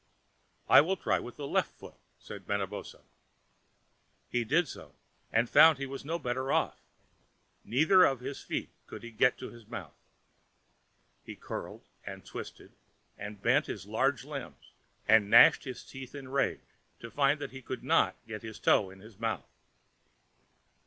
"I will try the left foot," said Manabozho. He did so, and found that he was no better off; neither of his feet could he get to his mouth. He curled and twisted, and bent his large limbs, and gnashed his teeth in rage to find that he could not get his toe to his mouth.